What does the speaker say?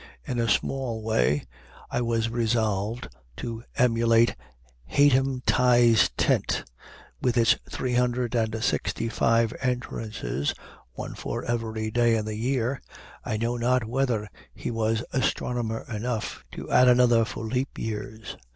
In a small way, I was resolved to emulate Hatem Tai's tent, with its three hundred and sixty five entrances, one for every day in the year, I know not whether he was astronomer enough to add another for leap years.